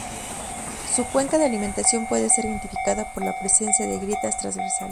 Su cuenca de alimentación puede ser identificada por la presencia de grietas transversales.